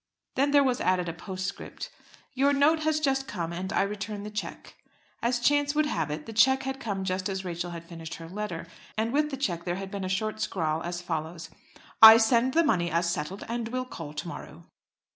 Then there was added a postscript: "Your note has just come and I return the cheque." As chance would have it the cheque had come just as Rachel had finished her letter, and with the cheque there had been a short scrawl as follows: "I send the money as settled, and will call to morrow."